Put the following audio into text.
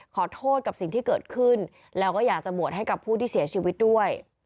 ขอโทษกับสิ่งที่เกิดขึ้นแล้วก็อยากจะบวชให้กับผู้ที่เสียชีวิตด้วย